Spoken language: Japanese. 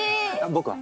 僕は？